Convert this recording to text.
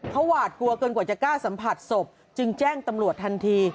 เขาหวาดกลัวเกินกว่าจะกล้าสัมผัสศพจึงแจ้งตำรวจทันที